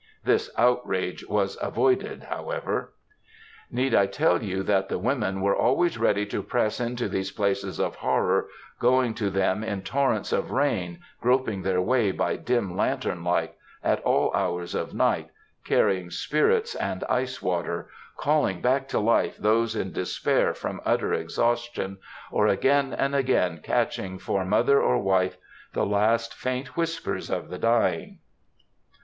This outrage was avoided, however. Need I tell you that the women were always ready to press into these places of horror, going to them in torrents of rain, groping their way by dim lantern light, at all hours of night, carrying spirits and ice water; calling back to life those in despair from utter exhaustion, or again and again catching for mother or wife the last faint whispers of the dying?